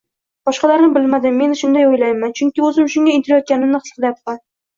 Boshqalarni bilmadim, men shunday o‘ylayman, chunki o‘zim shunga intilayotganimni his qilayapman